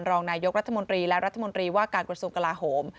รองนายกรัฐมนตรีและรัฐมนตรีว่าการกระทรวงกลาโหม